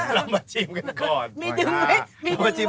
เรามาเชื่อเท่าไหร่